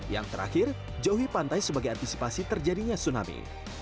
yang terakhir jauhi pantai sebagai antisipasi terjadinya tsunami